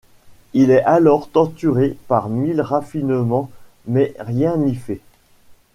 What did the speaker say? Il est alors torturé par mille raffinements mais rien n'y fait.